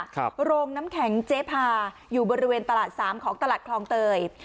โรงน้ำแข็งเจ๊พาอยู่บริเวณตลาดสามของตลาดคลองเตย